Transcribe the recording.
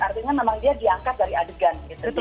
artinya memang dia diangkat dari adegan